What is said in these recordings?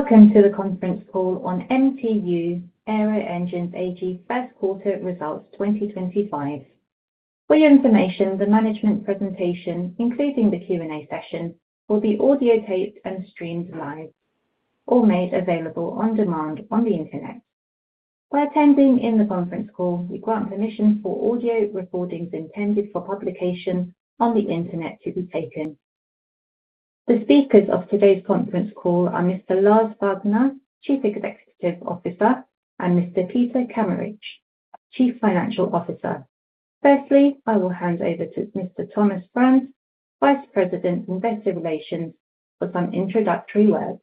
Welcome to the conference call on MTU Aero Engines AG First Quarter Results 2025. For your information, the management presentation, including the Q&A session, will be audio-taped and streamed live, or made available on demand on the internet. By attending in the conference call, we grant permission for audio recordings intended for publication on the internet to be taken. The speakers of today's conference call are Mr. Lars Wagner, Chief Executive Officer, and Mr. Peter Kameritsch, Chief Financial Officer. Firstly, I will hand over to Mr. Thomas Franz, Vice President, Investor Relations, for some introductory words.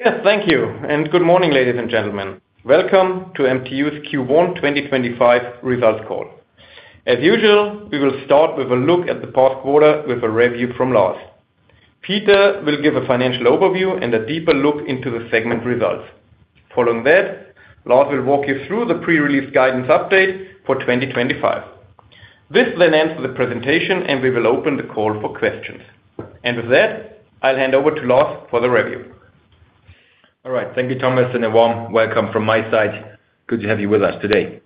Yes, thank you, and good morning, ladies and gentlemen. Welcome to MTU's Q1 2025 results call. As usual, we will start with a look at the past quarter with a review from Lars. Peter will give a financial overview and a deeper look into the segment results. Following that, Lars will walk you through the pre-release guidance update for 2025. This will then end the presentation, and we will open the call for questions. With that, I'll hand over to Lars for the review. All right, thank you, Thomas, and a warm welcome from my side. Good to have you with us today.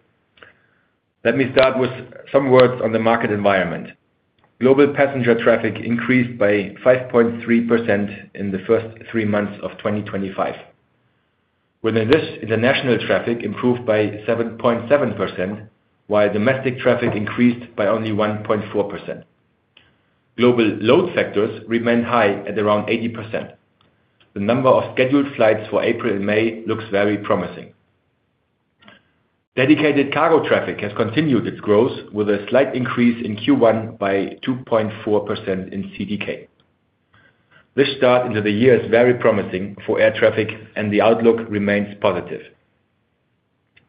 Let me start with some words on the market environment. Global passenger traffic increased by 5.3% in the first three months of 2025. Within this, international traffic improved by 7.7%, while domestic traffic increased by only 1.4%. Global load factors remain high at around 80%. The number of scheduled flights for April and May looks very promising. Dedicated cargo traffic has continued its growth, with a slight increase in Q1 by 2.4% in CTK. This start into the year is very promising for air traffic, and the outlook remains positive.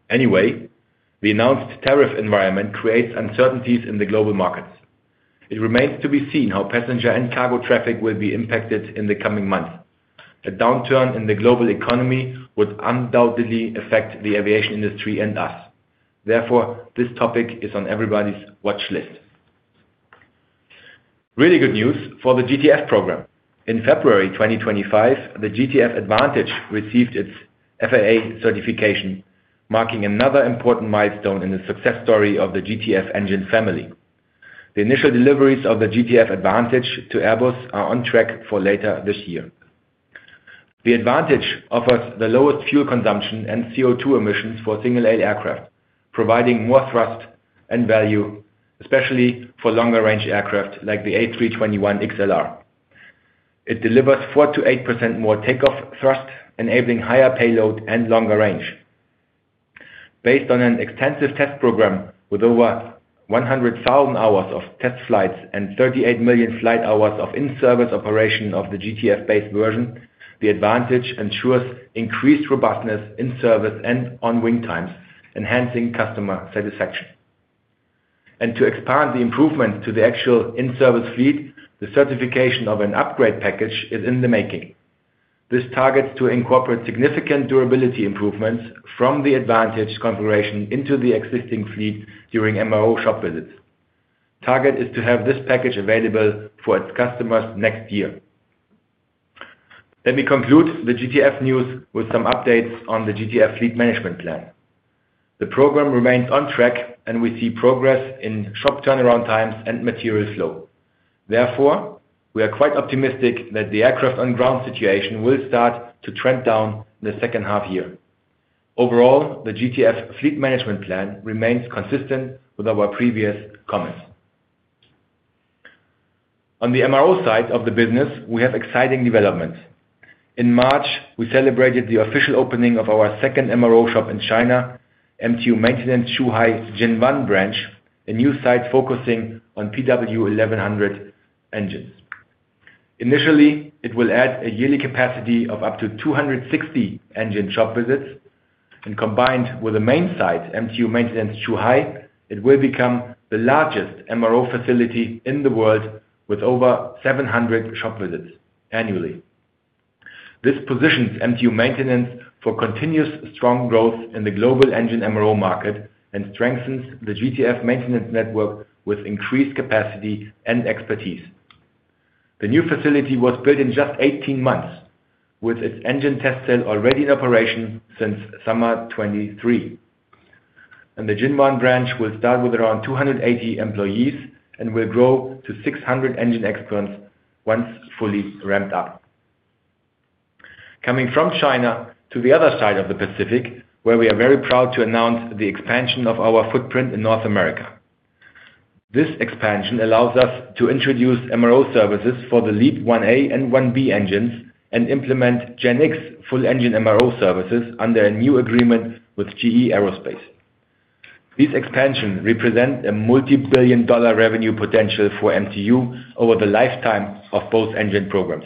Anyway, the announced tariff environment creates uncertainties in the global markets. It remains to be seen how passenger and cargo traffic will be impacted in the coming months. A downturn in the global economy would undoubtedly affect the aviation industry and us. Therefore, this topic is on everybody's watch list. Really good news for the GTF program. In February 2025, the GTF Advantage received its FAA certification, marking another important milestone in the success story of the GTF engine family. The initial deliveries of the GTF Advantage to Airbus are on track for later this year. The Advantage offers the lowest fuel consumption and CO2 emissions for single-aisle aircraft, providing more thrust and value, especially for longer-range aircraft like the A321XLR. It delivers 4%-8% more takeoff thrust, enabling higher payload and longer range. Based on an extensive test program with over 100,000 hours of test flights and 38 million flight hours of in-service operation of the GTF-based version, the Advantage ensures increased robustness in service and on-wing times, enhancing customer satisfaction. To expand the improvement to the actual in-service fleet, the certification of an upgrade package is in the making. This targets to incorporate significant durability improvements from the Advantage configuration into the existing fleet during MRO shop visits. The target is to have this package available for its customers next year. Let me conclude the GTF news with some updates on the GTF Fleet Management Plan. The program remains on track, and we see progress in shop turnaround times and material flow. Therefore, we are quite optimistic that the aircraft on ground situation will start to trend down in the second half year. Overall, the GTF Fleet Management Plan remains consistent with our previous comments. On the MRO side of the business, we have exciting developments. In March, we celebrated the official opening of our second MRO shop in China, MTU Maintenance Zhuhai Jinwan branch, a new site focusing on PW1100 engines. Initially, it will add a yearly capacity of up to 260 engine shop visits, and combined with the main site, MTU Maintenance Zhuhai, it will become the largest MRO facility in the world with over 700 shop visits annually. This positions MTU Maintenance for continuous strong growth in the global engine MRO market and strengthens the GTF maintenance network with increased capacity and expertise. The new facility was built in just 18 months, with its engine test cell already in operation since summer 2023. The Jinwan branch will start with around 280 employees and will grow to 600 engine experts once fully ramped up. Coming from China to the other side of the Pacific, where we are very proud to announce the expansion of our footprint in North America. This expansion allows us to introduce MRO services for the LEAP-1A and LEAP-1B engines and implement GEnx full engine MRO services under a new agreement with GE Aerospace. This expansion represents a multi-billion dollar revenue potential for MTU over the lifetime of both engine programs.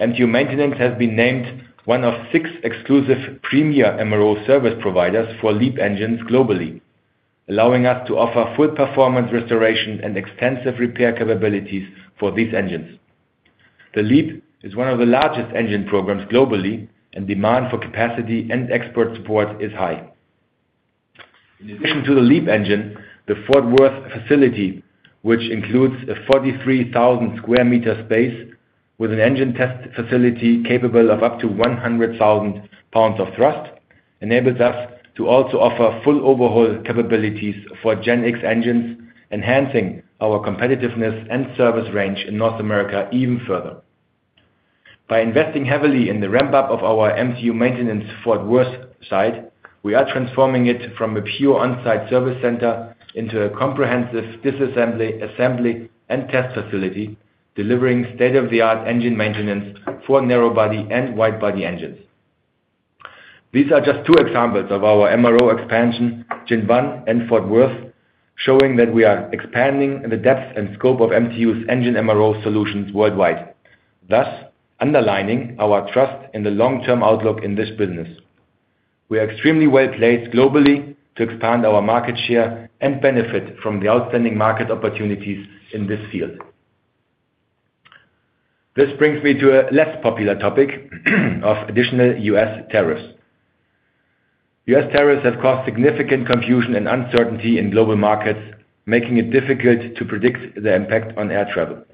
MTU Maintenance has been named one of six exclusive premier MRO service providers for LEAP engines globally, allowing us to offer full performance restoration and extensive repair capabilities for these engines. The LEAP is one of the largest engine programs globally, and demand for capacity and expert support is high. In addition to the LEAP engine, the Fort Worth facility, which includes a 43,000 sq meter space with an engine test facility capable of up to 100,000 lbs of thrust, enables us to also offer full overhaul capabilities for GEnx engines, enhancing our competitiveness and service range in North America even further. By investing heavily in the ramp-up of our MTU Maintenance Fort Worth site, we are transforming it from a pure on-site service center into a comprehensive disassembly, assembly, and test facility, delivering state-of-the-art engine maintenance for narrow body and wide body engines. These are just two examples of our MRO expansion, Jinwan and Fort Worth, showing that we are expanding the depth and scope of MTU's engine MRO solutions worldwide, thus underlining our trust in the long-term outlook in this business. We are extremely well placed globally to expand our market share and benefit from the outstanding market opportunities in this field. This brings me to a less popular topic of additional U.S. tariffs. U.S. tariffs have caused significant confusion and uncertainty in global markets, making it difficult to predict the impact on air travel.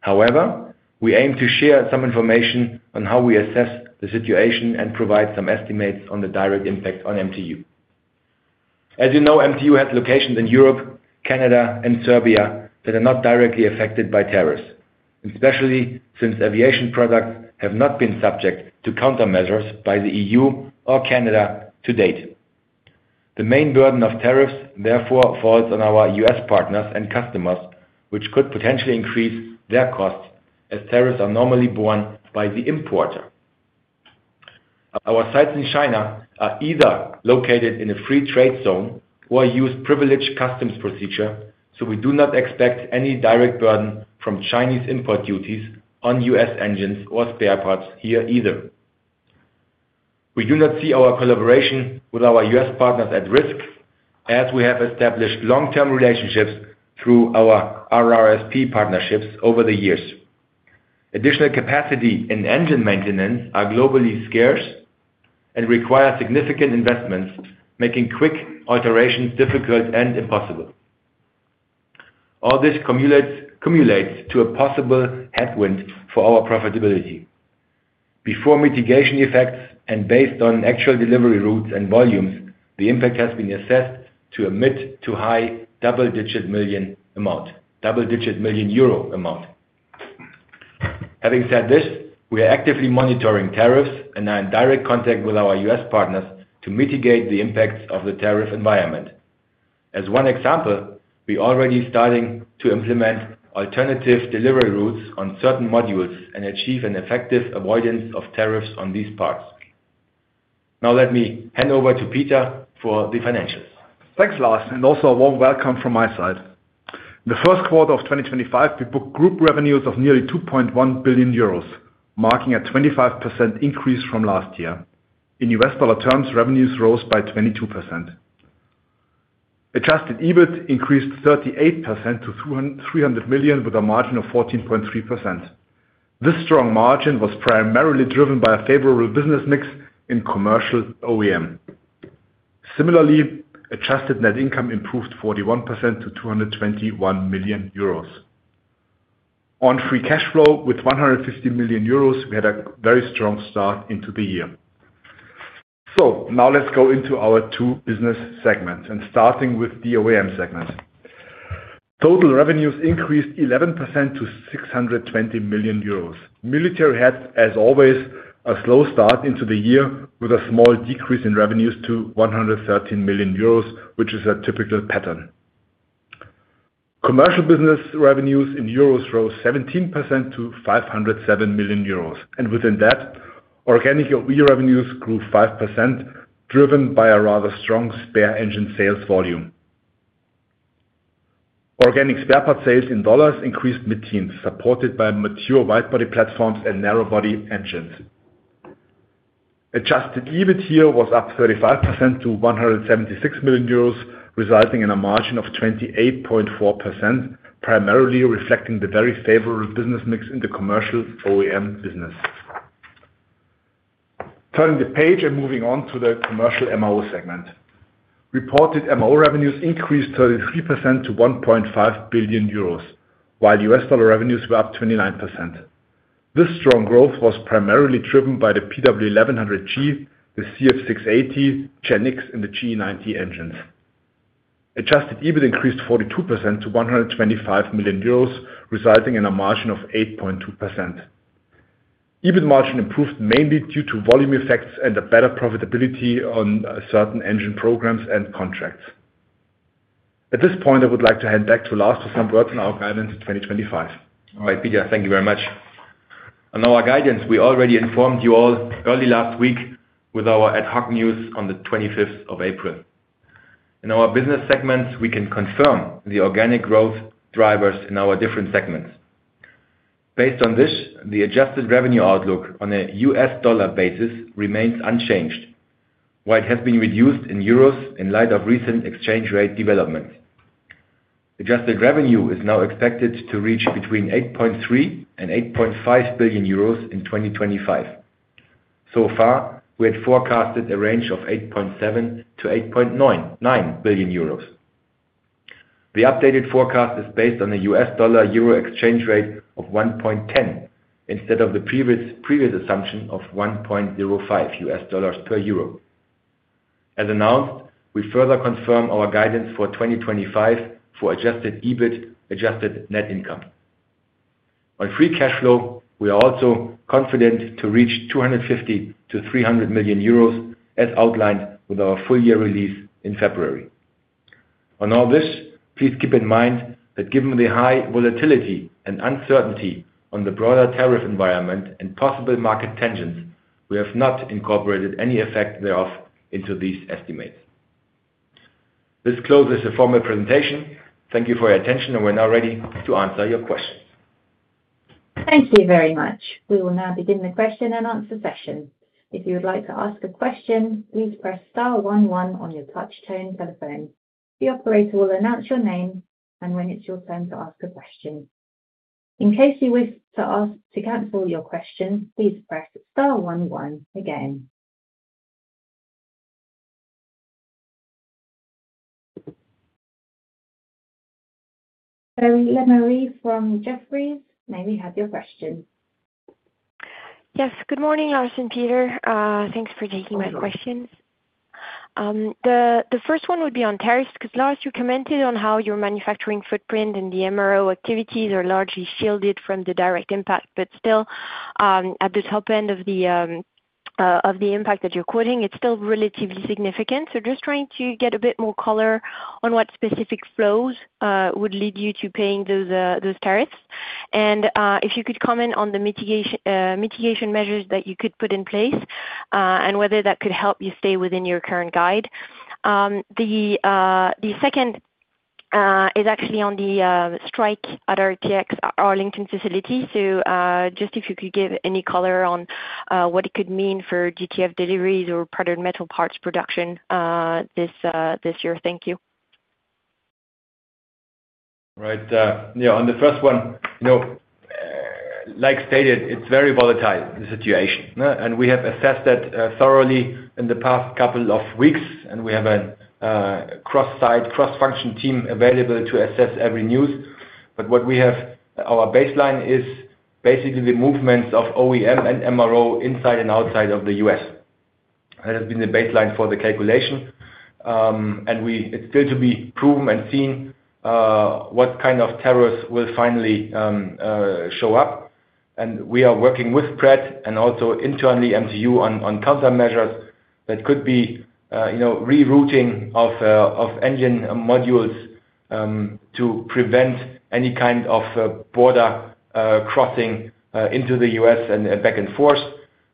However, we aim to share some information on how we assess the situation and provide some estimates on the direct impact on MTU. As you know, MTU has locations in Europe, Canada, and Serbia that are not directly affected by tariffs, especially since aviation products have not been subject to countermeasures by the EU or Canada to date. The main burden of tariffs, therefore, falls on our U.S. partners and customers, which could potentially increase their costs as tariffs are normally borne by the importer. Our sites in China are either located in a free trade zone or use privileged customs procedures, so we do not expect any direct burden from Chinese import duties on U.S. engines or spare parts here either. We do not see our collaboration with our U.S. partners at risk, as we have established long-term relationships through our RRSP partnerships over the years. Additional capacity in engine maintenance is globally scarce and requires significant investments, making quick alterations difficult and impossible. All this cumulates to a possible headwind for our profitability. Before mitigation effects and based on actual delivery routes and volumes, the impact has been assessed to a mid to high double-digit million amount, double-digit million euro amount. Having said this, we are actively monitoring tariffs and are in direct contact with our U.S. partners to mitigate the impacts of the tariff environment. As one example, we are already starting to implement alternative delivery routes on certain modules and achieve an effective avoidance of tariffs on these parts. Now, let me hand over to Peter for the financials. Thanks, Lars, and also a warm welcome from my side. In the first quarter of 2025, we booked group revenues of nearly 2.1 billion euros, marking a 25% increase from last year. In U.S. dollar terms, revenues rose by 22%. Adjusted EBIT increased 38% to 300 million with a margin of 14.3%. This strong margin was primarily driven by a favorable business mix in commercial OEM. Similarly, adjusted net income improved 41% to 221 million euros. On free cash flow, with 150 million euros, we had a very strong start into the year. Now let's go into our two business segments, starting with the OEM segment. Total revenues increased 11% to 620 million euros. Military had, as always, a slow start into the year with a small decrease in revenues to 113 million euros, which is a typical pattern. Commercial business revenues in euros rose 17% to 507 million euros. Within that, organic OE revenues grew 5%, driven by a rather strong spare engine sales volume. Organic spare part sales in dollars increased mid-teens, supported by mature wide body platforms and narrow body engines. Adjusted EBIT here was up 35% to 176 million euros, resulting in a margin of 28.4%, primarily reflecting the very favorable business mix in the commercial OEM business. Turning the page and moving on to the commercial MRO segment. Reported MRO revenues increased 33% to 1.5 billion euros, while U.S. dollar revenues were up 29%. This strong growth was primarily driven by the PW1100G, the CF6-80, GEnx, and the GE90 engines. Adjusted EBIT increased 42% to 125 million euros, resulting in a margin of 8.2%. EBIT margin improved mainly due to volume effects and a better profitability on certain engine programs and contracts. At this point, I would like to hand back to Lars for some words on our guidance for 2025. All right, Peter, thank you very much. On our guidance, we already informed you all early last week with our ad hoc news on the 25th of April. In our business segments, we can confirm the organic growth drivers in our different segments. Based on this, the adjusted revenue outlook on a U.S. dollar basis remains unchanged, while it has been reduced in euros in light of recent exchange rate developments. Adjusted revenue is now expected to reach between 8.3 billion and 8.5 billion euros in 2025. Previously, we had forecasted a range of 8.7 billion-8.9 billion euros. The updated forecast is based on the U.S. dollar-euro exchange rate of $1.10 instead of the previous assumption of $1.05 per euro. As announced, we further confirm our guidance for 2025 for adjusted EBIT, adjusted net income. On free cash flow, we are also confident to reach 250 million-300 million euros, as outlined with our full year release in February. On all this, please keep in mind that given the high volatility and uncertainty on the broader tariff environment and possible market tensions, we have not incorporated any effect thereof into these estimates. This closes the formal presentation. Thank you for your attention, and we're now ready to answer your questions. Thank you very much. We will now begin the question and answer session. If you would like to ask a question, please press star 11 on your touch-tone telephone. The operator will announce your name and when it's your turn to ask a question. In case you wish to cancel your question, please press star 11 again. Chloé Lemarié from Jefferies, maybe you had your question. Yes, good morning, Lars and Peter. Thanks for taking my question. The first one would be on tariffs because, Lars, you commented on how your manufacturing footprint and the MRO activities are largely shielded from the direct impact, but still, at the top end of the impact that you're quoting, it's still relatively significant. Just trying to get a bit more color on what specific flows would lead you to paying those tariffs. If you could comment on the mitigation measures that you could put in place and whether that could help you stay within your current guide. The second is actually on the strike at RTX Arlington facility. If you could give any color on what it could mean for GTF deliveries or product metal parts production this year. Thank you. Right. Yeah, on the first one, like stated, it's very volatile, the situation. We have assessed that thoroughly in the past couple of weeks, and we have a cross-site, cross-function team available to assess every news. What we have, our baseline is basically the movements of OEM and MRO inside and outside of the U.S.. That has been the baseline for the calculation. It is still to be proven and seen what kind of tariffs will finally show up. We are working with Pratt and also internally MTU on countermeasures that could be rerouting of engine modules to prevent any kind of border crossing into the U.S. and back and forth.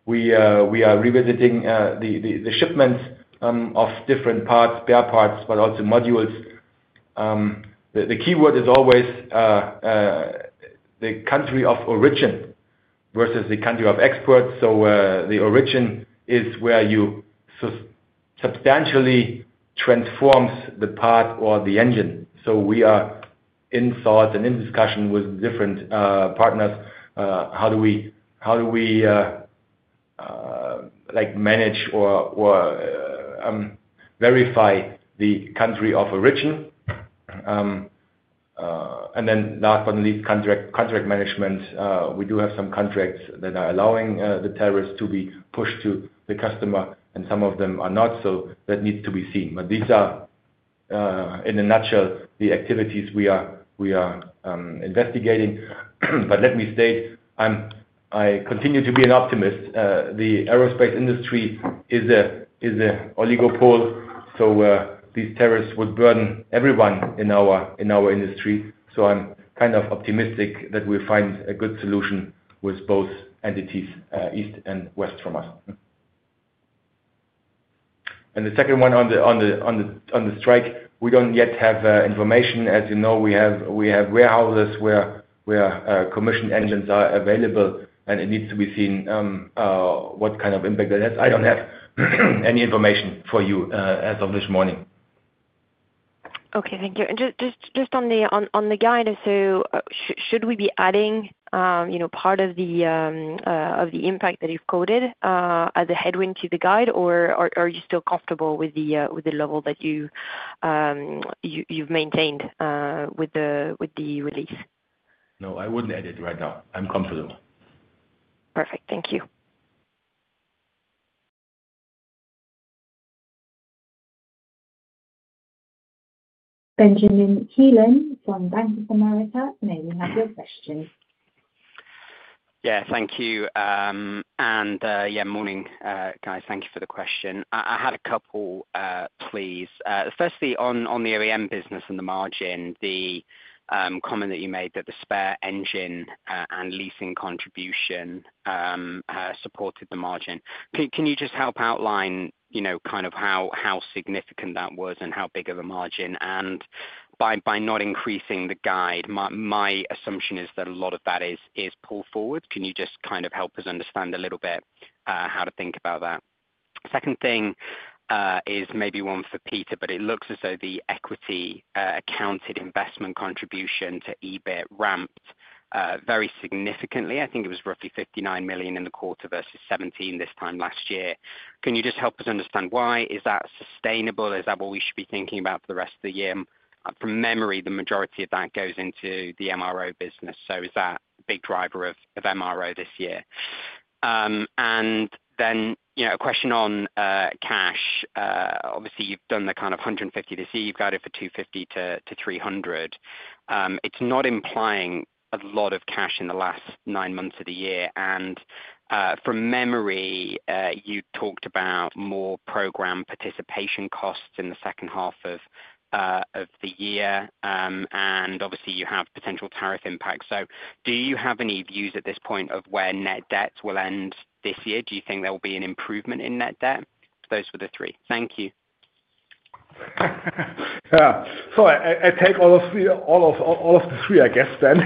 We are revisiting the shipments of different parts, spare parts, but also modules. The key word is always the country of origin versus the country of export. The origin is where you substantially transform the part or the engine. We are in thought and in discussion with different partners. How do we manage or verify the country of origin? Last but not least, contract management. We do have some contracts that are allowing the tariffs to be pushed to the customer, and some of them are not, so that needs to be seen. These are, in a nutshell, the activities we are investigating. Let me state, I continue to be an optimist. The aerospace industry is an oligopole, so these tariffs would burden everyone in our industry. I am kind of optimistic that we find a good solution with both entities, east and west from us. The second one on the strike, we do not yet have information. As you know, we have warehouses where commissioned engines are available, and it needs to be seen what kind of impact that has. I don't have any information for you as of this morning. Okay, thank you. Just on the guide, should we be adding part of the impact that you've quoted as a headwind to the guide, or are you still comfortable with the level that you've maintained with the release? No, I wouldn't edit right now. I'm comfortable. Perfect. Thank you. Benjamin Heelan from Bank of America maybe had your question. Yeah, thank you. Yeah, morning, guys. Thank you for the question. I had a couple of pleas. Firstly, on the OEM business and the margin, the comment that you made that the spare engine and leasing contribution supported the margin. Can you just help outline kind of how significant that was and how big of a margin? By not increasing the guide, my assumption is that a lot of that is pulled forward. Can you just kind of help us understand a little bit how to think about that? Second thing is maybe one for Peter, but it looks as though the equity accounted investment contribution to EBIT ramped very significantly. I think it was roughly 59 million in the quarter versus 17 million this time last year. Can you just help us understand why? Is that sustainable? Is that what we should be thinking about for the rest of the year? From memory, the majority of that goes into the MRO business, so is that a big driver of MRO this year? A question on cash. Obviously, you've done the kind of 150 this year. You've guided for 250-300. It's not implying a lot of cash in the last nine months of the year. From memory, you talked about more program participation costs in the second half of the year, and obviously, you have potential tariff impacts. Do you have any views at this point of where net debt will end this year? Do you think there will be an improvement in net debt? Those were the three. Thank you. Yeah. I take all of the three, I guess, then.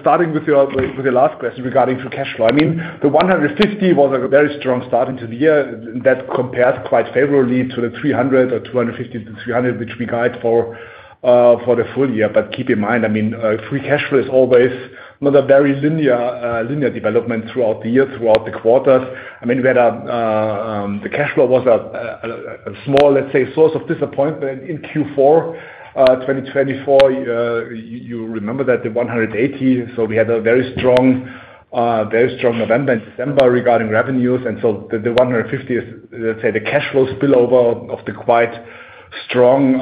Starting with your last question regarding free cash flow, I mean, the 150 was a very strong start into the year. That compares quite favorably to the 300 or 250-300, which we guide for the full year. Keep in mind, I mean, free cash flow is always not a very linear development throughout the year, throughout the quarters. I mean, the cash flow was a small, let's say, source of disappointment in Q4 2024. You remember that the 180, so we had a very strong November and December regarding revenues. The 150 is, let's say, the cash flow spillover of the quite strong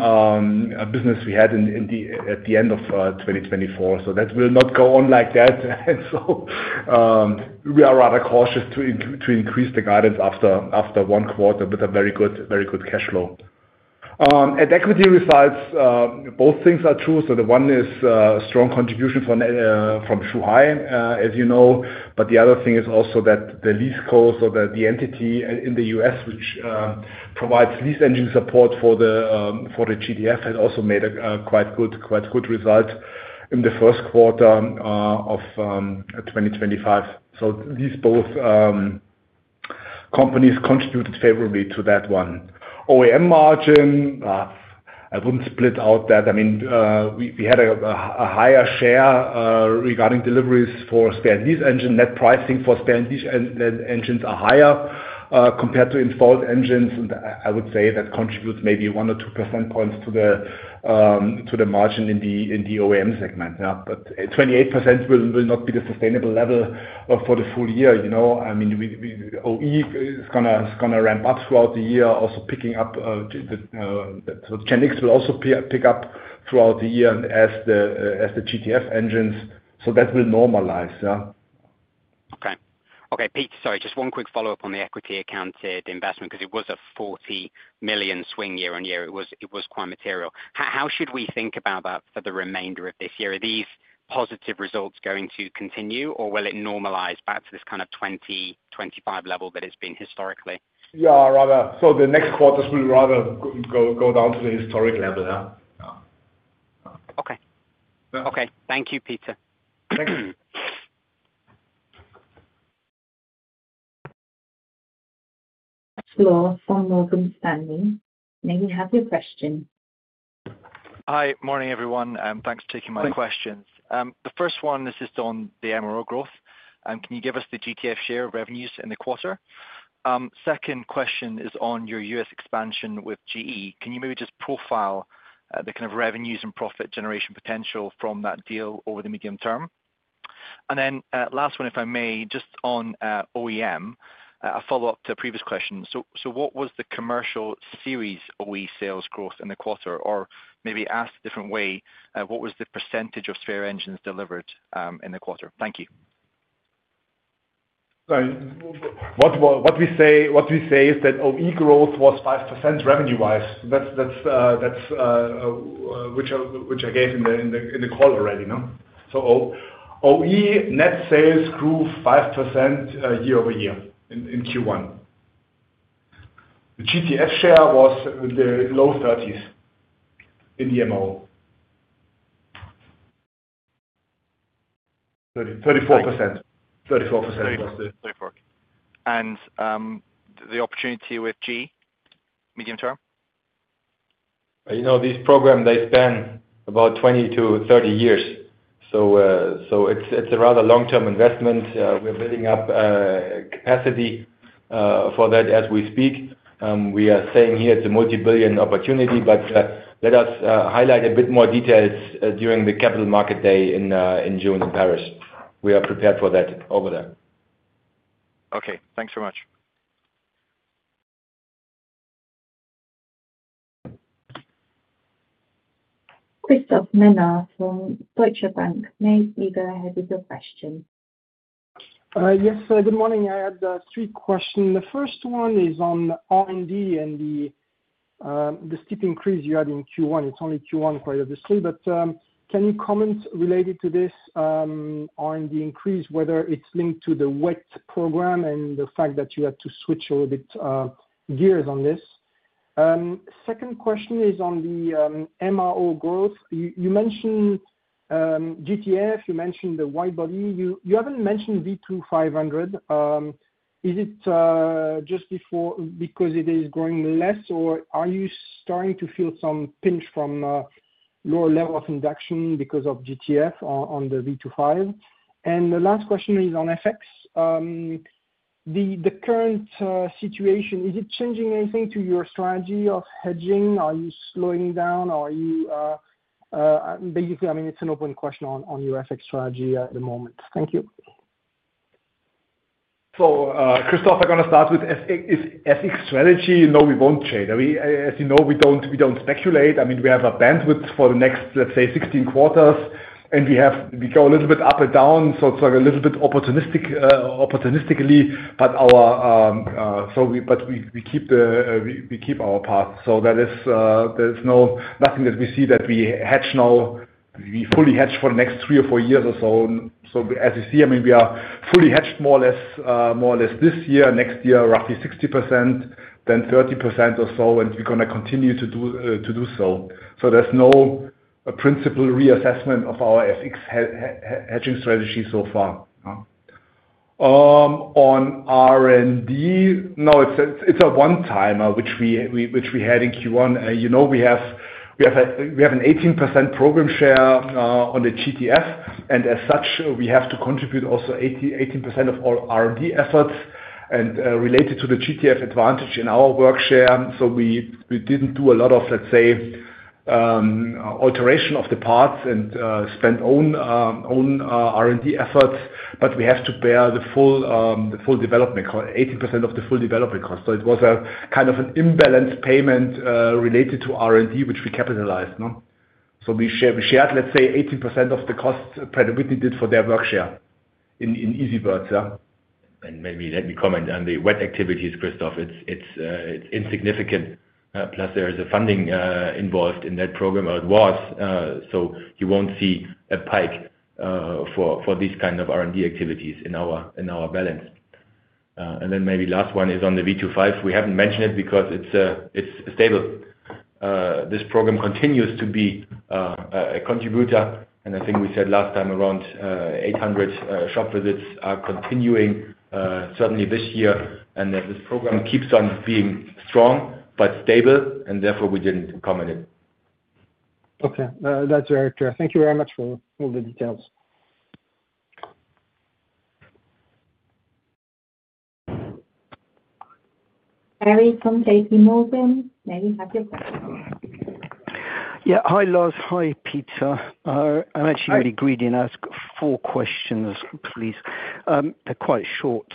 business we had at the end of 2024. That will not go on like that. We are rather cautious to increase the guidance after one quarter with a very good cash flow. At equity results, both things are true. The one is a strong contribution from Zhuhai, as you know. The other thing is also that the lease code or the entity in the U.S., which provides lease engine support for the GTF, had also made a quite good result in the first quarter of 2025. These both companies contributed favorably to that one. OEM margin, I would not split out that. I mean, we had a higher share regarding deliveries for spare lease engine. Net pricing for spare lease engines are higher compared to installed engines. I would say that contributes maybe 1 or 2 percentage points to the margin in the OEM segment. 28% will not be the sustainable level for the full year. I mean, OE is going to ramp up throughout the year, also picking up. GEnx will also pick up throughout the year as the GTF engines. That will normalize. Okay. Okay, Pete, sorry, just one quick follow-up on the equity accounted investment because it was a 40 million swing year on year. It was quite material. How should we think about that for the remainder of this year? Are these positive results going to continue, or will it normalize back to this kind of 2025 level that it's been historically? Yeah, rather. The next quarters will rather go down to the historic level. Okay. Okay. Thank you, Peter. Thank you. Thanks for your thoughtful standing. May we have your question? Hi, morning, everyone. Thanks for taking my questions. The first one is just on the MRO growth. Can you give us the GTF share of revenues in the quarter? Second question is on your U.S. expansion with GE. Can you maybe just profile the kind of revenues and profit generation potential from that deal over the medium term? And then last one, if I may, just on OEM, a follow-up to a previous question. What was the commercial series OE sales growth in the quarter? Or maybe asked a different way, what was the percentage of spare engines delivered in the quarter? Thank you. What we say is that OE growth was 5% revenue-wise, which I gave in the call already. OE net sales grew 5% year-over-year in Q1. The GTF share was in the low 30% in the MRO. 34%. 34% was the. The opportunity with GE, medium term? You know, this program, they span about 20-30 years. So it's a rather long-term investment. We're building up capacity for that as we speak. We are saying here it's a multi-billion opportunity, but let us highlight a bit more details during the capital market day in June in Paris. We are prepared for that over there. Okay. Thanks so much. from Deutsche Bank. Maybe you go ahead with your question. Yes, good morning. I had three questions. The first one is on R&D and the steep increase you had in Q1. It's only Q1, quite obviously. Can you comment related to this R&D increase, whether it's linked to the WET program and the fact that you had to switch a little bit gears on this? Second question is on the MRO growth. You mentioned GTF, you mentioned the wide body. You haven't mentioned V2500. Is it just because it is growing less, or are you starting to feel some pinch from lower level of induction because of GTF on the V2500? The last question is on FX. The current situation, is it changing anything to your strategy of hedging? Are you slowing down? Basically, I mean, it's an open question on your FX strategy at the moment. Thank you. Christoph, I'm going to start with FX strategy. No, we won't trade. As you know, we don't speculate. I mean, we have a bandwidth for the next, let's say, 16 quarters, and we go a little bit up and down. It's a little bit opportunistically, but we keep our path. There is nothing that we see that we hedge now. We fully hedge for the next three or four years or so. As you see, I mean, we are fully hedged more or less this year, next year, roughly 60%, then 30% or so, and we're going to continue to do so. There is no principal reassessment of our FX hedging strategy so far. On R&D, no, it's a one-timer, which we had in Q1. You know we have an 18% program share on the GTF, and as such, we have to contribute also 18% of all R&D efforts related to the GTF Advantage in our work share. We did not do a lot of, let's say, alteration of the parts and spent own R&D efforts, but we have to bear the full development cost, 18% of the full development cost. It was a kind of an imbalanced payment related to R&D, which we capitalized. We shared, let's say, 18% of the costs Pratt & Whitney did for their work share, in easy words. Maybe let me comment on the WET activities, Christoph. It's insignificant. Plus, there is a funding involved in that program as well. You won't see a pike for these kinds of R&D activities in our balance. Maybe last one is on the V25. We haven't mentioned it because it's stable. This program continues to be a contributor, and I think we said last time around 800 shop visits are continuing, certainly this year, and that this program keeps on being strong but stable, and therefore we didn't comment it. Okay. That's very clear. Thank you very much for all the details. Very comfortable. May we have your question? Yeah. Hi, Lars. Hi, Peter. I'm actually really greedy and ask four questions, please. They're quite short.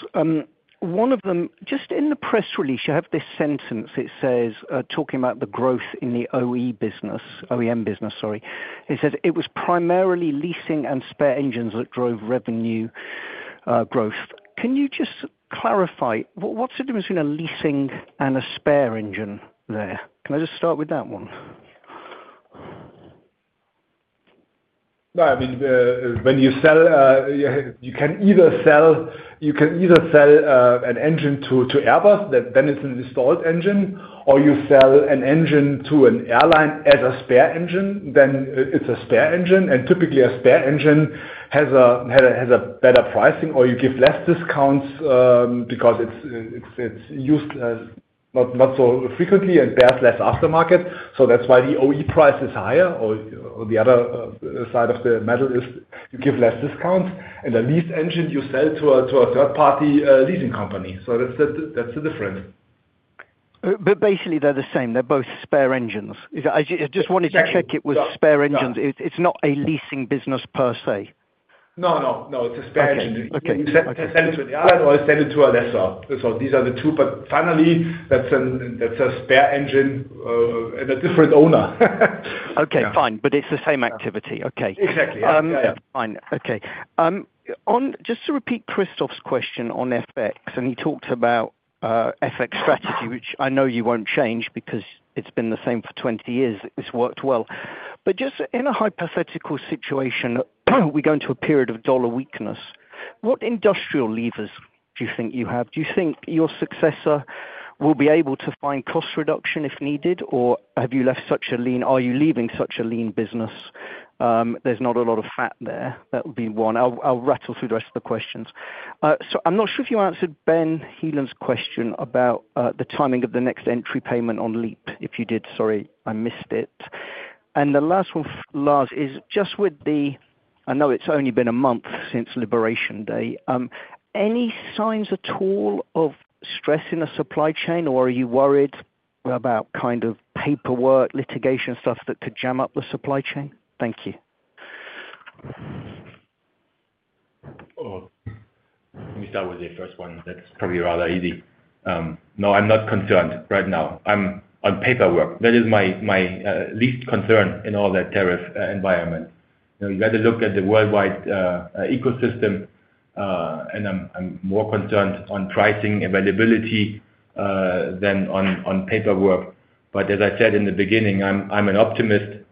One of them, just in the press release, you have this sentence. It says talking about the growth in the OEM business. It says it was primarily leasing and spare engines that drove revenue growth. Can you just clarify what's the difference between a leasing and a spare engine there? Can I just start with that one? I mean, when you sell, you can either sell an engine to Airbus, then it's an installed engine, or you sell an engine to an airline as a spare engine, then it's a spare engine. Typically, a spare engine has a better pricing, or you give less discounts because it's used not so frequently and bears less aftermarket. That's why the OE price is higher. The other side of the medal is you give less discounts, and the leased engine you sell to a third-party leasing company. That's the difference. Basically, they're the same. They're both spare engines. I just wanted to check it was spare engines. It's not a leasing business per se. No, no, no. It's a spare engine. You send it to the island or you send it to a lessor. These are the two. Finally, that's a spare engine and a different owner. Okay, fine. It is the same activity. Okay. Exactly. Yeah. Fine. Okay. Just to repeat Christoph's question on FX, and he talked about FX strategy, which I know you will not change because it has been the same for 20 years. It has worked well. In a hypothetical situation, we go into a period of dollar weakness. What industrial levers do you think you have? Do you think your successor will be able to find cost reduction if needed, or have you left such a lean—are you leaving such a lean business? There is not a lot of fat there. That would be one. I will rattle through the rest of the questions. I am not sure if you answered Ben Heelan's question about the timing of the next entry payment on LEAP. If you did, sorry, I missed it. The last one, Lars, is just with the—I know it has only been a month since Liberation Day. Any signs at all of stress in the supply chain, or are you worried about kind of paperwork, litigation, stuff that could jam up the supply chain? Thank you. Let me start with the first one. That's probably rather easy. No, I'm not concerned right now. I'm on paperwork. That is my least concern in all that tariff environment. You had to look at the worldwide ecosystem, and I'm more concerned on pricing availability than on paperwork. As I said in the beginning, I'm an optimist,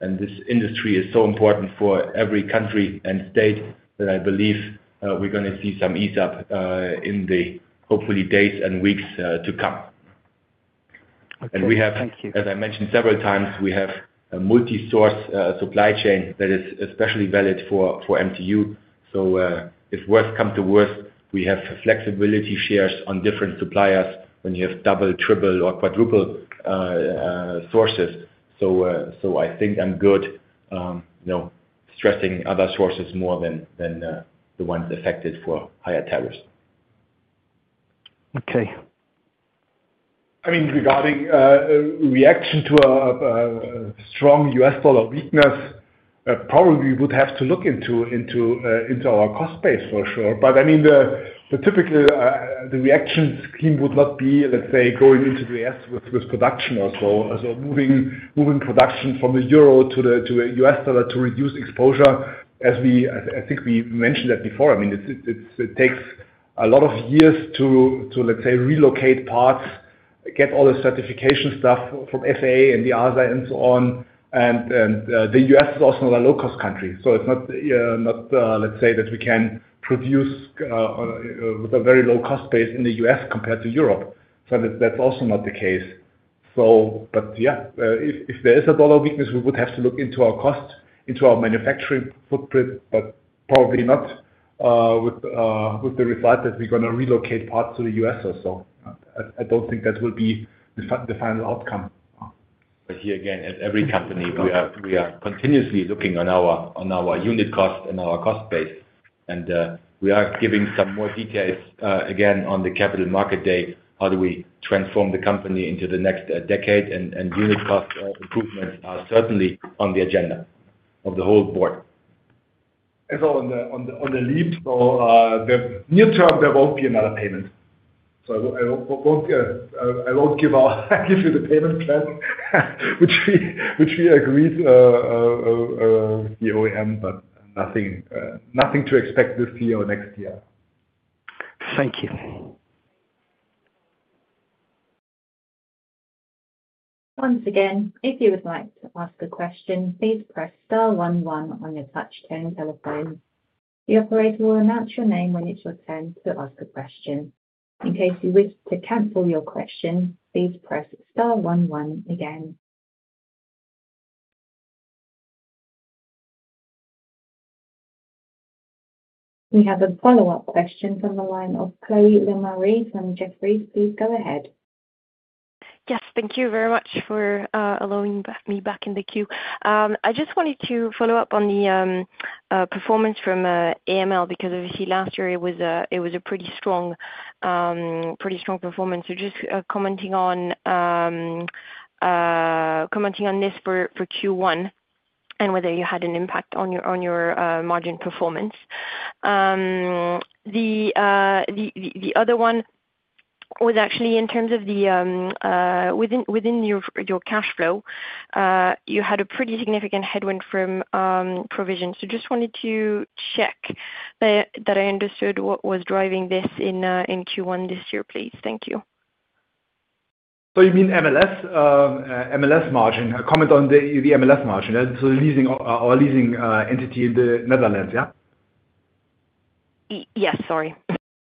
and this industry is so important for every country and state that I believe we're going to see some ease up in the hopefully days and weeks to come. We have, as I mentioned several times, we have a multi-source supply chain that is especially valid for MTU. If worst come to worst, we have flexibility shares on different suppliers when you have double, triple, or quadruple sources. I think I'm good stressing other sources more than the ones affected for higher tariffs. Okay. I mean, regarding reaction to a strong U.S. dollar weakness, probably we would have to look into our cost base for sure. I mean, typically, the reaction scheme would not be, let's say, going into the U.S. with production or so. Moving production from the euro to the U.S. dollar to reduce exposure, as I think we mentioned that before. I mean, it takes a lot of years to, let's say, relocate parts, get all the certification stuff from FAA and the ASA and so on. The U.S. is also not a low-cost country. It is not, let's say, that we can produce with a very low cost base in the U.S. compared to Europe. That is also not the case. Yeah, if there is a dollar weakness, we would have to look into our cost, into our manufacturing footprint, but probably not with the result that we're going to relocate parts to the U.S. or so. I don't think that will be the final outcome. Here again, as every company, we are continuously looking on our unit cost and our cost base. We are giving some more details again on the capital market day, how do we transform the company into the next decade, and unit cost improvements are certainly on the agenda of the whole board. On the LEAP, so the near term, there will not be another payment. I will not give you the payment plan, which we agreed with the OEM, but nothing to expect this year or next year. Thank you. Once again, if you would like to ask a question, please press star 11 on your touchtone telephone. The operator will announce your name when it's your turn to ask a question. In case you wish to cancel your question, please press star 11 again. We have a follow-up question from the line of Chloé Lemarié from Jefferies. Please go ahead. Yes, thank you very much for allowing me back in the queue. I just wanted to follow up on the performance from AML because obviously last year it was a pretty strong performance. Just commenting on this for Q1 and whether you had an impact on your margin performance. The other one was actually in terms of within your cash flow, you had a pretty significant headwind from provision. Just wanted to check that I understood what was driving this in Q1 this year, please. Thank you. You mean MLS margin? A comment on the MLS margin. Our leasing entity in the Netherlands, yeah? Yes, sorry.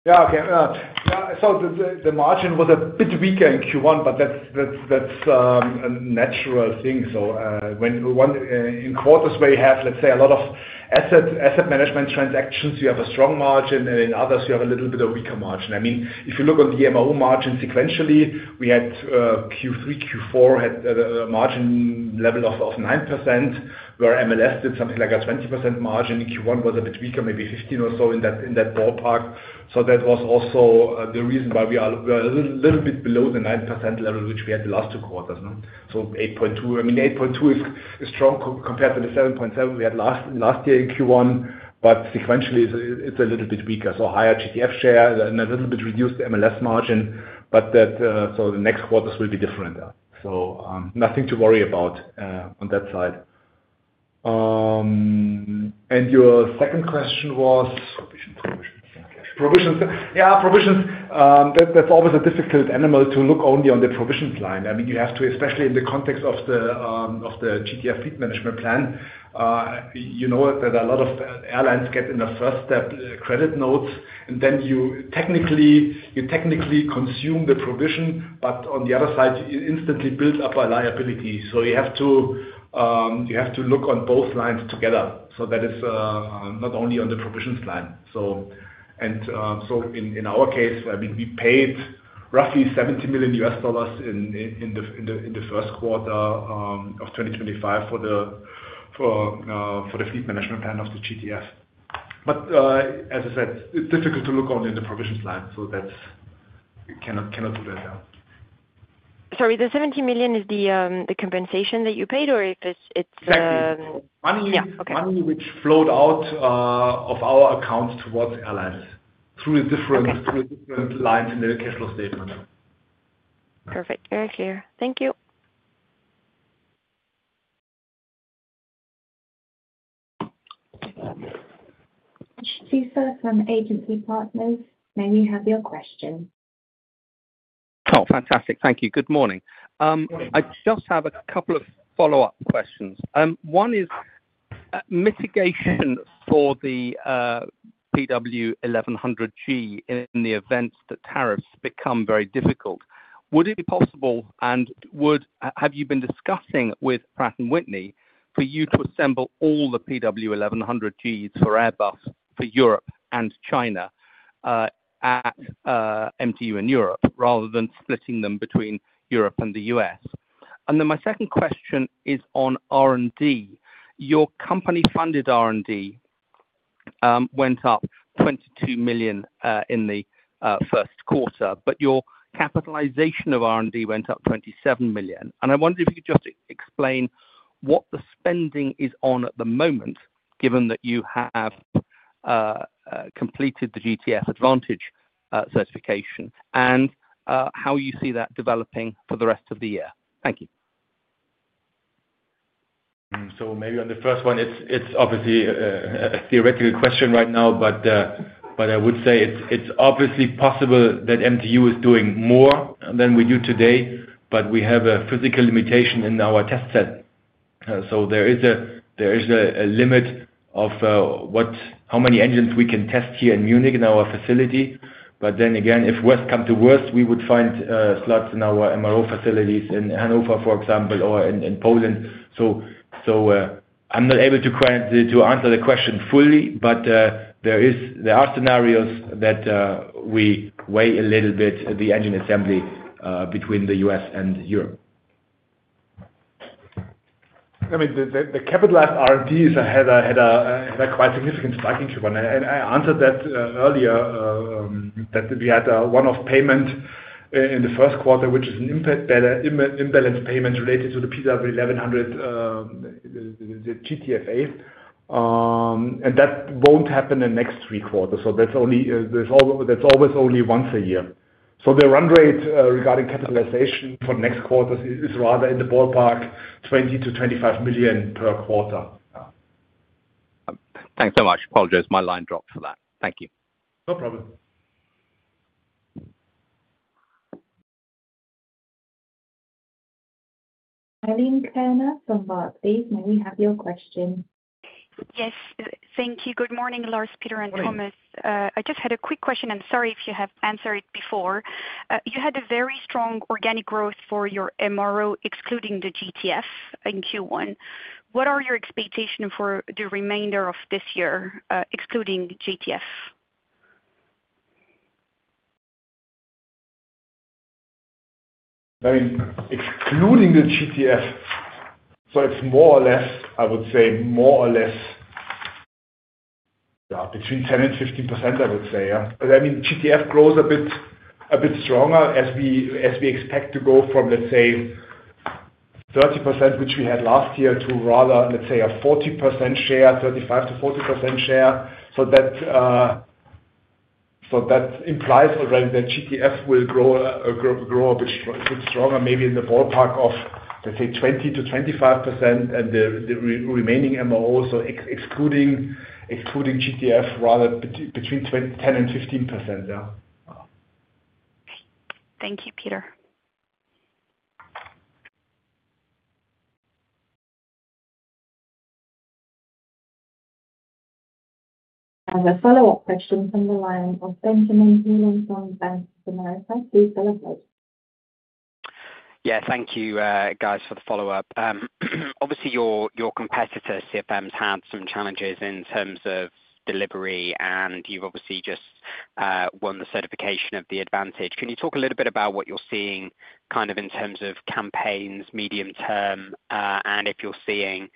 Yeah, okay. The margin was a bit weaker in Q1, but that's a natural thing. In quarters where you have, let's say, a lot of asset management transactions, you have a strong margin, and in others, you have a little bit of weaker margin. I mean, if you look on the MRO margin sequentially, we had Q3, Q4 had a margin level of 9%, where MLS did something like a 20% margin. Q1 was a bit weaker, maybe 15% or so in that ballpark. That was also the reason why we are a little bit below the 9% level, which we had the last two quarters. 8.2, I mean, 8.2 is strong compared to the 7.7 we had last year in Q1, but sequentially, it's a little bit weaker. Higher GTF share and a little bit reduced MLS margin, but the next quarters will be different. Nothing to worry about on that side. Your second question was provisions. Yeah, provisions. That's always a difficult animal to look only on the provisions line. I mean, you have to, especially in the context of the GTF fleet management plan, you know that a lot of airlines get in the first step credit notes, and then you technically consume the provision, but on the other side, you instantly build up a liability. You have to look on both lines together. That is not only on the provisions line. In our case, we paid roughly $70 million in the first quarter of 2025 for the fleet management plan of the GTF. As I said, it's difficult to look only in the provisions line, so you cannot do that. Sorry, the $70 million is the compensation that you paid, or if it's? Exactly. Money which flowed out of our accounts towards airlines through the different lines in their cash flow statement. Perfect. Very clear. Thank you. Christoph from Agency Partners, may we have your question? Oh, fantastic. Thank you. Good morning. I just have a couple of follow-up questions. One is mitigation for the PW1100G in the event that tariffs become very difficult. Would it be possible, and have you been discussing with Pratt & Whitney for you to assemble all the PW1100Gs for Airbus for Europe and China at MTU in Europe rather than splitting them between Europe and the U.S.? My second question is on R&D. Your company-funded R&D went up 22 million in the first quarter, but your capitalization of R&D went up 27 million. I wondered if you could just explain what the spending is on at the moment, given that you have completed the GTF Advantage certification, and how you see that developing for the rest of the year. Thank you. Maybe on the first one, it's obviously a theoretical question right now, but I would say it's obviously possible that MTU is doing more than we do today, but we have a physical limitation in our test set. There is a limit of how many engines we can test here in Munich in our facility. Then again, if worst come to worst, we would find slots in our MRO facilities in Hanover, for example, or in Poland. I'm not able to answer the question fully, but there are scenarios that we weigh a little bit, the engine assembly between the U.S. and Europe. I mean, the capitalized R&Ds had a quite significant spike in Q1. I answered that earlier, that we had one-off payment in the first quarter, which is an imbalanced payment related to the PW1100, the GTF Advantage. That won't happen in the next three quarters. That is always only once a year. The run rate regarding capitalization for the next quarters is rather in the ballpark, 20 million-25 million per quarter. Thanks so much. Apologize. My line dropped for that. Thank you. No problem. Eileen Kerner from, may we have your question? Yes. Thank you. Good morning, Lars, Peter, and Thomas. I just had a quick question. I'm sorry if you have answered before. You had a very strong organic growth for your MRO, excluding the GTF in Q1. What are your expectations for the remainder of this year, excluding GTF? I mean, excluding the GTF, so it's more or less, I would say, more or less between 10% and 15%, I would say. I mean, GTF grows a bit stronger as we expect to go from, let's say, 30%, which we had last year, to rather, let's say, a 40% share, 35%-40% share. That implies already that GTF will grow a bit stronger, maybe in the ballpark of, let's say, 20%-25%, and the remaining MRO, so excluding GTF, rather between 10% and 15%. Thank you, Peter. A follow-up question from the line of Benjamin Heelan from Bank of America. Please go ahead. Yeah, thank you, guys, for the follow-up. Obviously, your competitor, CFM, has had some challenges in terms of delivery, and you've obviously just won the certification of the Advantage. Can you talk a little bit about what you're seeing kind of in terms of campaigns, medium term, and if you're seeing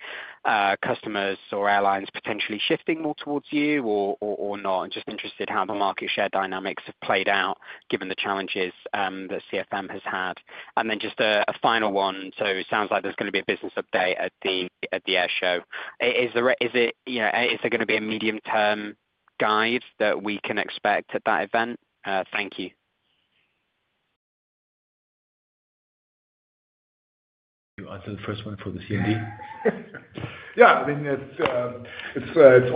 customers or airlines potentially shifting more towards you or not? I'm just interested in how the market share dynamics have played out given the challenges that CFM has had. Just a final one. It sounds like there's going to be a business update at the air show. Is there going to be a medium-term guide that we can expect at that event? Thank you. You answered the first one for the CMD. Yeah. I mean, it's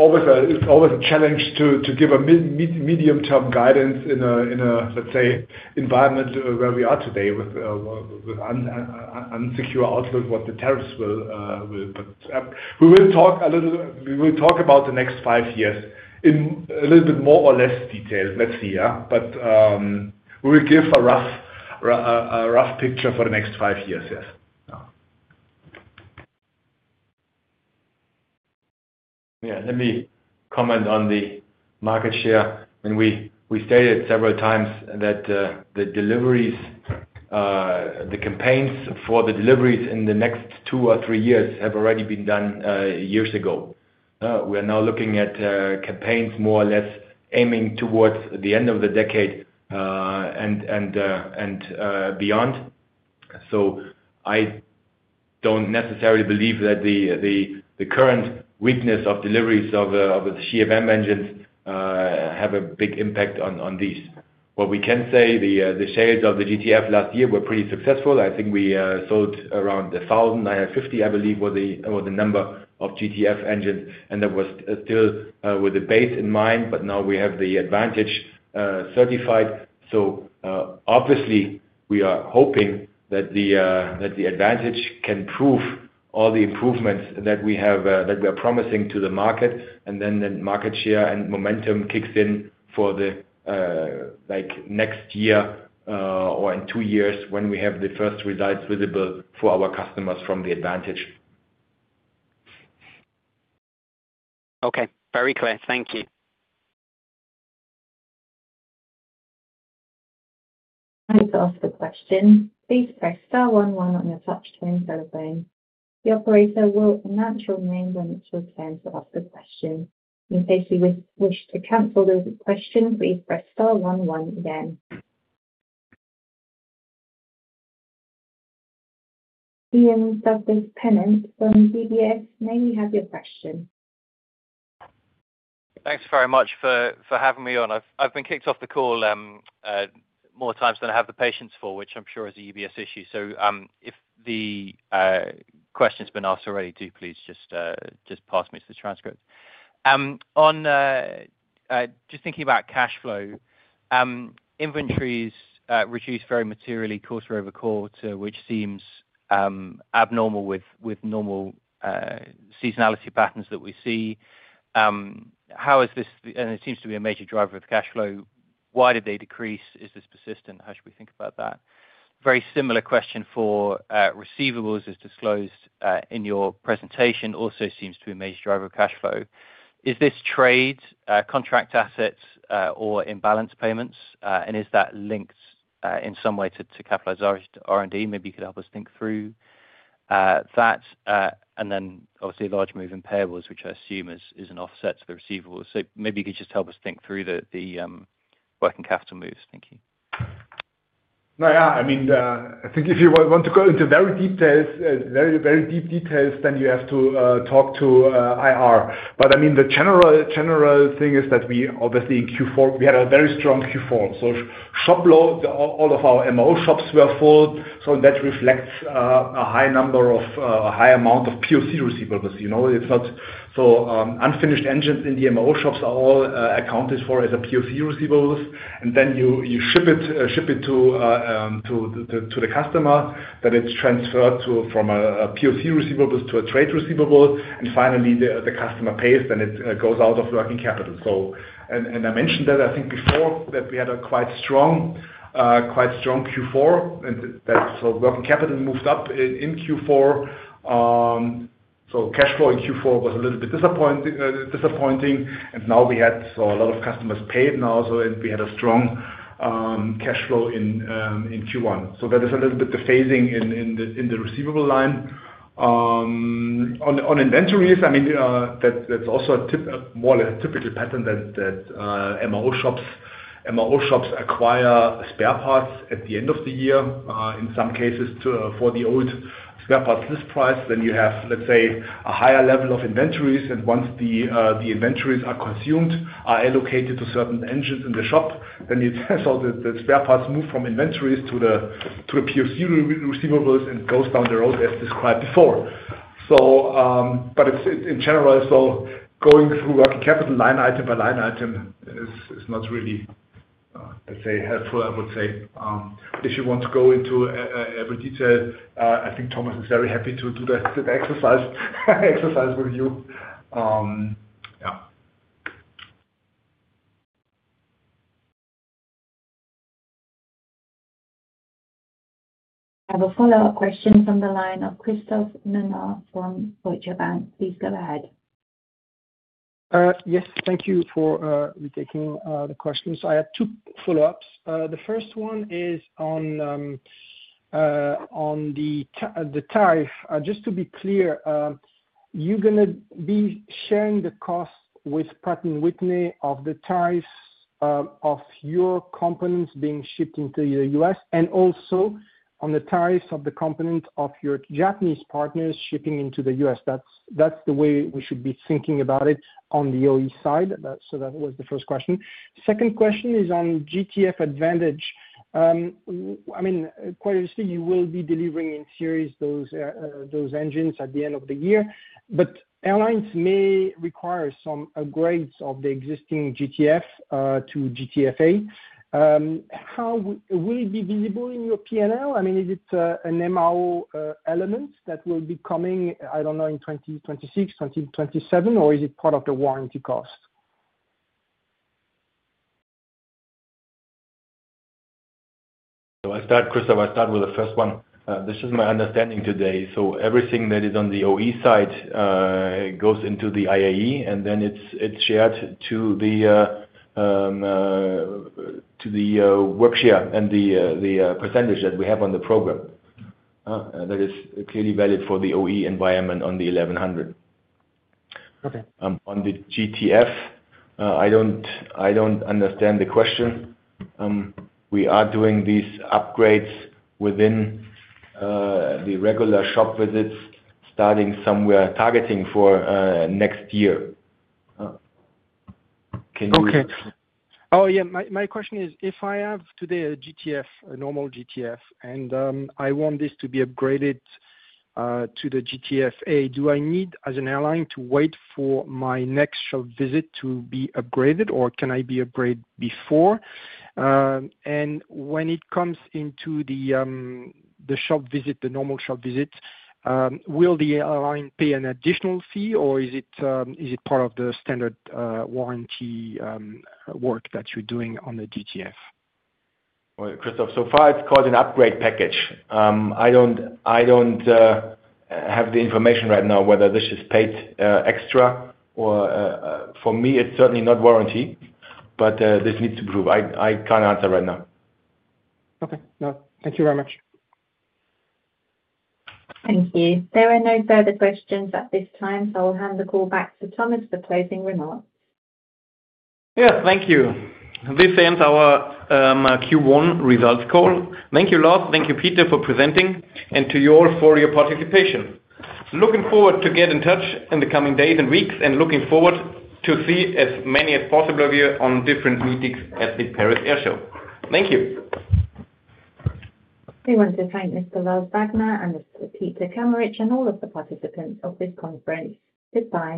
always a challenge to give a medium-term guidance in a, let's say, environment where we are today with unsecure outlook what the tariffs will put. We will talk a little, we will talk about the next five years in a little bit more or less detail. Let's see. But we will give a rough picture for the next five years, yes. Yeah. Let me comment on the market share. We stated several times that the campaigns for the deliveries in the next two or three years have already been done years ago. We are now looking at campaigns more or less aiming towards the end of the decade and beyond. I do not necessarily believe that the current weakness of deliveries of the CFM engines has a big impact on these. What we can say, the sales of the GTF last year were pretty successful. I think we sold around 1,950, I believe, was the number of GTF engines. That was still with the base in mind, but now we have the Advantage certified. Obviously, we are hoping that the Advantage can prove all the improvements that we are promising to the market, and then the market share and momentum kicks in for the next year or in two years when we have the first results visible for our customers from the Advantage. Okay. Very clear. Thank you. To ask a question, please press star 11 on your touchtone telephone. The operator will announce your name when it's your turn to ask a question. In case you wish to cancel the question, please press star 11 again. Ian Douglas-Pennant from UBS, may we have your question? Thanks very much for having me on. I've been kicked off the call more times than I have the patience for, which I'm sure is a UBS issue. If the question's been asked already, do please just pass me to the transcript. Just thinking about cash flow, inventories reduce very materially quarter-over-quarter which seems abnormal with normal seasonality patterns that we see. How is this? It seems to be a major driver of cash flow. Why did they decrease? Is this persistent? How should we think about that? Very similar question for receivables as disclosed in your presentation also seems to be a major driver of cash flow. Is this trade contract assets or imbalance payments? Is that linked in some way to capitalized R&D? Maybe you could help us think through that. Obviously, large moving payables, which I assume is an offset to the receivables. Maybe you could just help us think through the working capital moves. Thank you. No, yeah. I mean, I think if you want to go into very details, very deep details, then you have to talk to IR. I mean, the general thing is that we obviously in Q4, we had a very strong Q4. Shopload, all of our MRO shops were full. That reflects a high number of a high amount of PoC receivables. It's not so unfinished engines in the MRO shops are all accounted for as PoC receivables. You ship it to the customer, then it's transferred from a PoC receivable to a trade receivable. Finally, the customer pays, then it goes out of working capital. I mentioned that I think before that we had a quite strong Q4. Working capital moved up in Q4. Cash flow in Q4 was a little bit disappointing. We had a lot of customers paid now, and we had a strong cash flow in Q1. That is a little bit the phasing in the receivable line. On inventories, I mean, that's also more of a typical pattern that MRO shops acquire spare parts at the end of the year. In some cases, for the old spare parts list price, then you have, let's say, a higher level of inventories. Once the inventories are consumed, are allocated to certain engines in the shop, you saw the spare parts move from inventories to the PoC receivables and goes down the road as described before. In general, going through working capital line item by line item is not really, let's say, helpful, I would say. If you want to go into every detail, I think Thomas is very happy to do that exercise with you. Yeah. A follow-up question from the line of Christoph Minner from Deutsche Bank. Please go ahead. Yes. Thank you for retaking the questions. I have two follow-ups. The first one is on the tariff. Just to be clear, you're going to be sharing the cost with Pratt & Whitney of the tariffs of your components being shipped into the U.S. and also on the tariffs of the components of your Japanese partners shipping into the U.S.. That's the way we should be thinking about it on the OE side. That was the first question. Second question is on GTF Advantage. I mean, quite honestly, you will be delivering in series those engines at the end of the year, but airlines may require some upgrades of the existing GTF to GTFA. Will it be visible in your P&L? I mean, is it an MRO element that will be coming, I don't know, in 2026, 2027, or is it part of the warranty cost? I'll start, Christoph. I'll start with the first one. This is my understanding today. Everything that is on the OE side goes into the IAE, and then it's shared to the work share and the percentage that we have on the program. That is clearly valid for the OE environment on the 1100. On the GTF, I don't understand the question. We are doing these upgrades within the regular shop visits starting somewhere targeting for next year. Can you? Okay. Oh, yeah. My question is, if I have today a normal GTF and I want this to be upgraded to the GTFA, do I need, as an airline, to wait for my next shop visit to be upgraded, or can I be upgraded before? When it comes into the shop visit, the normal shop visit, will the airline pay an additional fee, or is it part of the standard warranty work that you're doing on the GTF? Christoph, so far it's called an upgrade package. I don't have the information right now whether this is paid extra or for me, it's certainly not warranty, but this needs to be approved. I can't answer right now. Okay. No, thank you very much. Thank you. There are no further questions at this time, so I will hand the call back to Thomas for closing remarks. Yeah. Thank you. This ends our Q1 results call. Thank you, Lars. Thank you, Peter, for presenting, and to you all for your participation. Looking forward to get in touch in the coming days and weeks, and looking forward to see as many as possible of you on different meetings at the Paris Air Show. Thank you. We want to thank Mr. Lars Wagner and Mr. Peter Kameritsch and all of the participants of this conference. Goodbye.